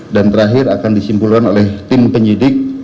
dan terakhir akan disimpulkan oleh tim penyidik